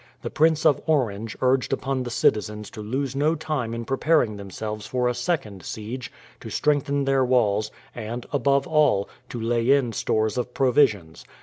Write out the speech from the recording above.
The Prince of Orange urged upon the citizens to lose no time in preparing themselves for a second siege, to strengthen their walls, and, above all, to lay in stores of provisions.